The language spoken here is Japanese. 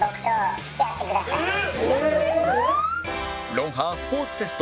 『ロンハー』スポーツテスト